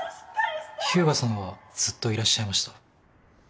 秘羽我さんはずっといらっしゃいました。